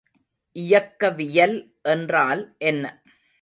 இயக்கவியல் என்றால் என்ன?